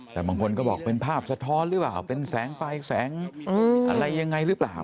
แต่บางคนก็บอกเป็นภาพสะท้อนหรือเปล่าเป็นแสงไฟแสงอะไรยังไงหรือเปล่า